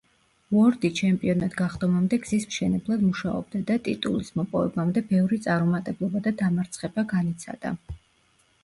უორდი ჩემპიონად გახდომამდე გზის მშენებლად მუშაობდა და ტიტულის მოპოვებამდე ბევრი წარუმატებლობა და დამარცხება განიცადა.